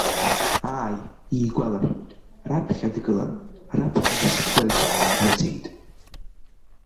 Ааи, игәалашәоит, раԥхьа дгылан, раԥхьа дышгылаз днаӡеит.